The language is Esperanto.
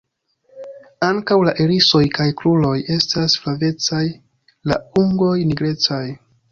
Ankaŭ la irisoj kaj kruroj estas flavecaj; la ungoj nigrecaj.